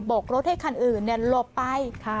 กรถให้คันอื่นหลบไป